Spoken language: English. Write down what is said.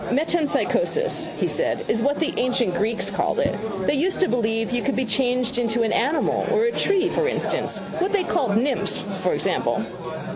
—Metempsychosis, he said, is what the ancient Greeks called it. They used to believe you could be changed into an animal or a tree, for instance. What they called nymphs, for example.